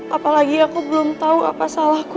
apalagi aku belum tahu apa salahku